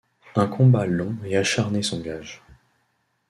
Un combat long et acharné s'engage.